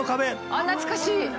あっ懐かしい！